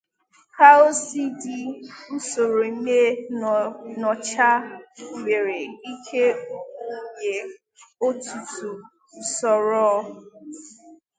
Ka o si dị, usoro ime nnyocha nwere ike ịgụnye ọtụtụ usoro.